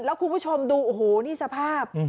แล้วคุณผู้ชมดูโอ้โหนี่สภาพ